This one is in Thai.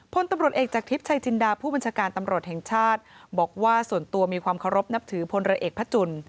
พลตำรวจเอกจากทิพย์ชัยจินดาผู้บัญชาการตำรวจแห่งชาติบอกว่าส่วนตัวมีความเคารพนับถือพลเรือเอกพระจุล